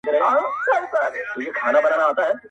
دا عادت یې ټول حرم ته معما وه!!